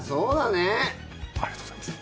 ありがとうございます。